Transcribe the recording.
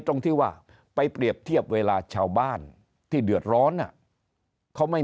ตรงที่ว่าไปเปรียบเทียบเวลาชาวบ้านที่เดือดร้อนเขาไม่